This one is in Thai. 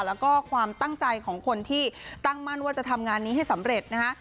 แล้วก็ความตั้งใจของคนที่ตั้งมั่นว่าจะทำงานนี้ให้สำเร็จนะคะ